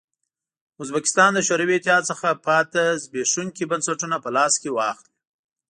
ازبکستان له شوروي اتحاد څخه پاتې زبېښونکي بنسټونه په لاس کې واخلي.